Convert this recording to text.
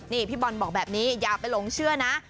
นี่พี่บอลบอกแบบนี้อย่าไปหลงเชื่อนะ